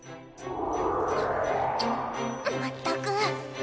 まったく。